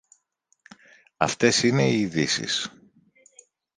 Αυτές είναι οι ειδήσεις